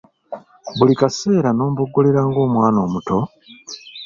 Buli kaseera n'omboggolera ng'omwana omuto!